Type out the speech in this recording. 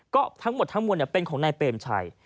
ก็ทั้งหมดทั้งมวลเป็นของนายเปรมชัย